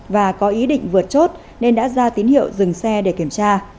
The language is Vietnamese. và có ý định vượt chốt nên đã ra tín hiệu dừng xe để kiểm tra